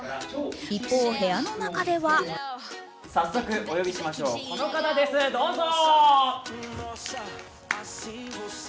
一方、部屋の中では早速お呼びしましょう、この方です、どうぞ。